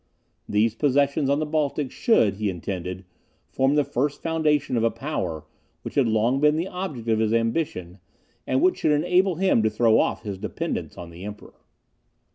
These possessions on the Baltic should, he intended, form the first foundation of a power, which had long been the object of his ambition, and which should enable him to throw off his dependence on the Emperor.